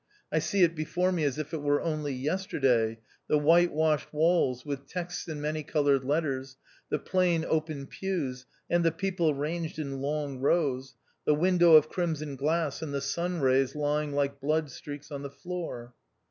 I see it before me as if it were only yesterday — the white washed walls, with texts in many coloured letters — the plain, open pews, and the people ranged in long rows — the window of crimson glass, and the sun rays lying like blood streaks on the floor.